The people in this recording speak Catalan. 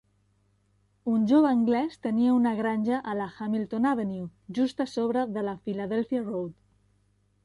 Un jove anglès tenia una granja a la Hamilton Avenue, just a sobre de Philadelphia Road.